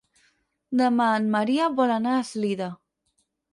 Demà en Maria vol anar a Eslida.